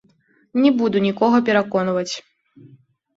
Не буду нікога пераконваць.